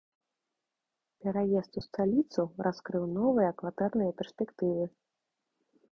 Пераезд у сталіцу раскрыў новыя кватэрныя перспектывы.